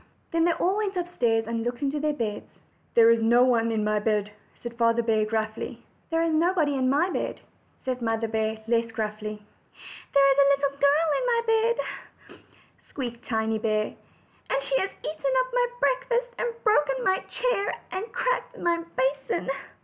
Then they all went upstairs and looked in their beds. "There is no one in my bed," said Father bear gruffly. "There is nobody in my bed," said the Mother bear less gruffly. "There is a little girl in my bed," squeaked Tiny bear, "and she has eaten up my breakfast, and broken my chair, and cracked my basin."